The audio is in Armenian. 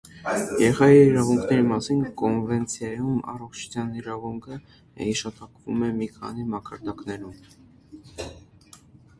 Երեխայի իրավունքների մասին կոնվենցիայում առողջության իրավունքը հիշատակվում է մի քանի մակարդակներում։